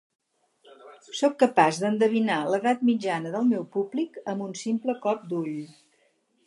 Sóc capaç d'endevinar l'edat mitjana del meu públic amb un simple cop d'ull.